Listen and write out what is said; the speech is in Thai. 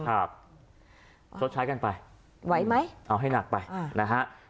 ครับชดใช้กันไปเอาให้หนักไปไว้ไหม